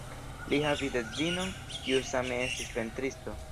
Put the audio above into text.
Li havis edzinon, kiu same estis pentristo.